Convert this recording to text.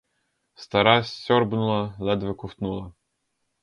Стара сьорбнула, ледве ковтнула.